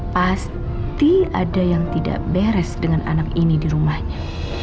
pasti ada yang tidak beres dengan anak ini di rumahnya